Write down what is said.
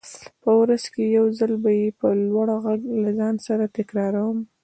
په ورځ کې يو ځل به يې په لوړ غږ له ځان سره تکراروم.